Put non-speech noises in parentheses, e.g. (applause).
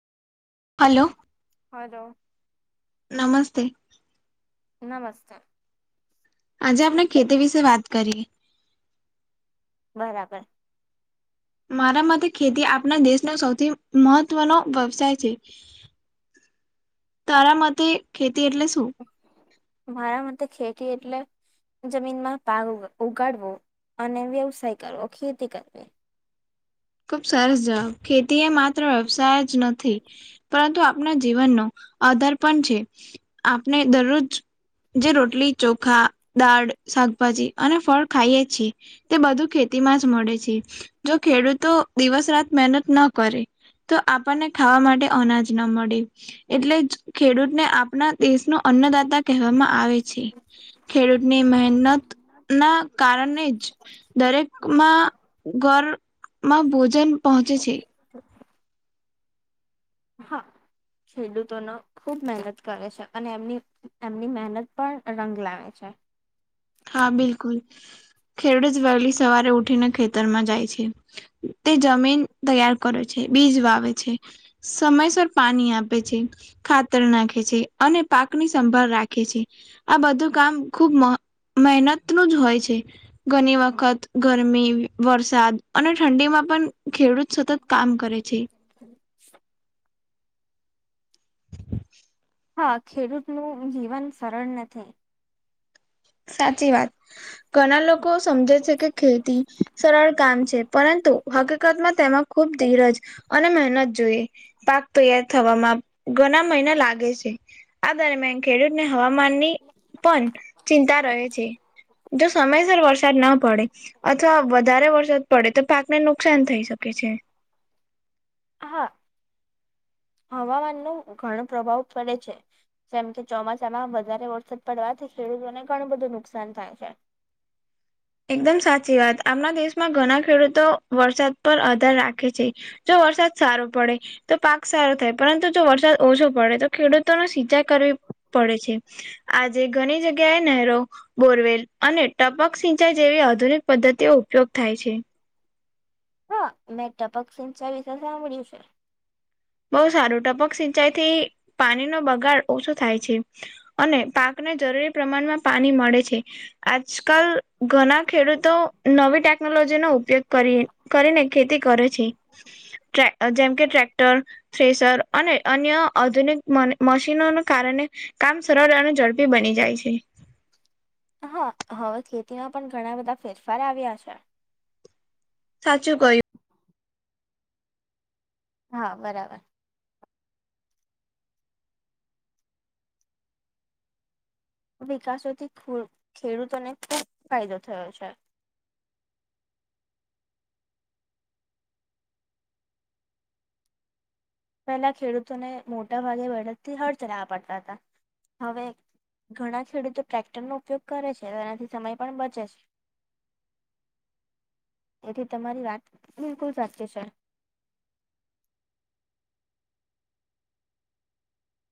Hello hello નમસ્તે નમસ્તે આજે આપણે ખેતી વિશે વાત કરીએ. બરાબર મારા માટે ખેતી આપણા દેશનો સૌથી મહત્વનો વ્યવસાય છે. તારા મતે ખેતી એટલે શું. મારા માટેતે ખેતી એટલે જમીનમાં પાક ઉગાડવો અને વ્યવસાય કરવો ખેતી કરવી ખુબ સરસ જવાબ ખેતી એ માત્ર વ્યવસાય જ નથી. પરંતુ આપના જીવનનો આધાર પણ છે આપણે દરરોજ જે રોટલી, ચોખા, દાળ, શાકભાજી અને ફળ ખાઈએ છીએ. તે બધું ખેતી માં જ મળે છે જો ખેડૂત તો દિવસ રાત મહેનત ના કરે તો આપણને ખાવા માટે અનાજ ના મળે એટલે જ ખેડૂતને આપણા દેશ ન અન્નદાતા કહેવામાં આવે છે. ખેડૂતની મહેનત ના કારણે જ દરેકમાં ઘર માં ભોજન પહોંચે છે. (inaudible) હા ખેડુંતોનો ખૂબ મહેનત કરે છે અને એમની એમની મહેનત પણ રંગ લાવે છે હા બિલકુલ ખેરડ જ વહેલી સવારે ઉઠીને ખેતી તરમાં જાય છે તે જમીન તૈયાર કરે છે બીજ વાવે છે સમયસર પાણી આપે છે ખાતર નાખે છે અને પાકની સંભાળ રાખે છે આ બધું કામ ખુબ મહ મહેનત નું જ હોય છે. ઘની વખત ગરમી વરસાદ અને ઠંડીમાં પન ખેડૂત સતત કામ કરે છે. હમ. હ હા ખેડૂતનું જીવન સરળ નથી. સાચી વાત ઘના લોકો સમજે છે કે ખેતી સરળ કામ છે પરંતુ હકીકતમાં તેમાં ખૂબ ધીરજ અને મહેનત જોઈએ. પાક તૈયાર થવામાં ઘના મહિના લાગે છે આ દરમિયાન ખેડૂત ને હવામાનની પન ચિંતા રહે છે. જો સમયસર વરસાદ ના પડે અથવા વધારે વરસાદ પડે તો પાકને નુકસાન થઈ શકે છે. હા હવામાન નો ઘણો પ્રભાવ પડે છે. જેમ કે ચોમાસામાં વધારે વરસાદ પડવાથી ખેડૂતોને ઘણું બધું નુકસાન થાય છે. એકદમ સાચી વાત આપણા દેશમાં ઘના ખેડૂતો વરસાદ પર આધાર રાખે છે. જો વરસાદ સારો પડે તો પાક સારો થાય પરંતુ જો વરસાદ ઓછો પડે તો ખેડૂતો ન સિંચાઈ કરવી પડે છે. આજે ઘણી જગ્યાએ નહેરો, બોરવેલ અને ટપક સિં ચાઈ જેવી આધુનિક પદ્ધતિઓ ઉપયોગ થાય છે. હા મે ટપક સિંચાઈ વિશે સાંભળ્યું છે. બહુ સારું ટપક સિંચાઈ થી પાનીનો બગાડ ઓછો થાય છે. અને પાકને જરૂરી પ્રમાનમાં પાની મળે છે. આજકાલ ઘના ખેડૂતો નવી ટેકનોલોજી નો ઉપયોગ કરીએ કરીને ખેતી કરે છે ટ્રે અ જેમ કે ટ્રેક્ટર થ્રેસર અને અન્ય આધુનિક મને મશીનોને કારને કામ સરળ અને ઝડપી બની જાય છે. હા હવે ખેતીમાં પન ઘણા બધા ફેરફાર આવ્યા છે. સાચું કહ્યું. હા બરાબર. વિકાસોથી ફુલ ખેડૂતોને ખૂબ ફાયદો થયો છે. પેલા ખેડૂતોને મોટા ભાગે વળતથી હળ ચલાવા પડતા હતા. હવે ઘણા ખેડૂતો ટ્રેક્ટરનો ઉપયોગ કરે છે તો એનાથી સમય પણ બચે છે. હ એથી તમારી વાત બિલકુલ સાચી છે.